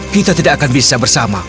kita tidak akan bisa bersama